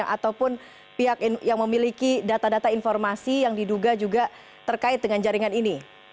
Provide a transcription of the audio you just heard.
ataupun pihak yang memiliki data data informasi yang diduga juga terkait dengan jaringan ini